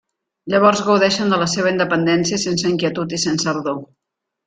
Llavors gaudeixen de la seva independència sense inquietud i sense ardor.